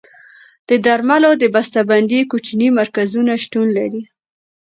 د درملو د بسته بندۍ کوچني مرکزونه شتون لري.